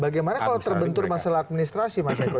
bagaimana kalau terbentur masalah administrasi mas eko